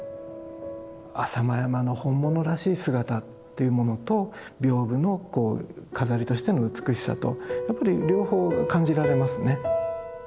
浅間山の本物らしい姿っていうものと屏風のこう飾りとしての美しさとやっぱり両方感じられますね。